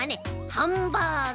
ハンバーグ！